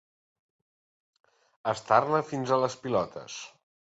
Estar-ne fins a les pilotes.